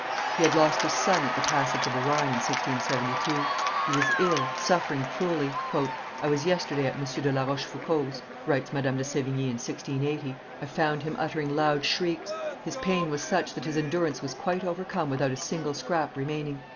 He had lost his son at the passage of the Rhine, in 1672. He was ill, suffering cruelly. "I was yesterday at M. de La Rochefoucauld's," writes Madame de Sevigne, in 1680. "I found him uttering loud shrieks; his pain was such that his endurance was quite overcome without a single scrap remaining.